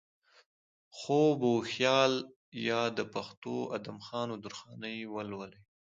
خواب وخيال يا د پښتو ادم خان و درخانۍ ولولئ